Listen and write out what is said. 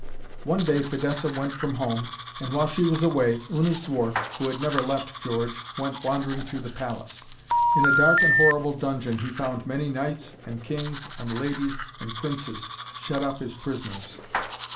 One day Fidessa went from home, and, while she was away, Una's dwarf, who had never left George, went wandering through the palace. In a dark and horrible dungeon he found many knights, and kings, and ladies and princes shut up as prisoners.